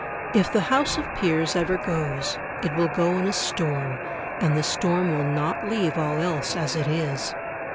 If the House of Peers ever goes, it will go in a storm, and the storm will not leave all else as it is.